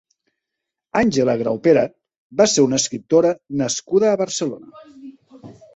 Àngela Graupera va ser una escriptora nascuda a Barcelona.